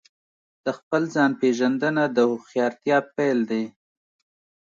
د خپل ځان پېژندنه د هوښیارتیا پیل دی.